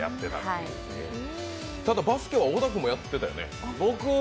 バスケは小田君もやってたよね？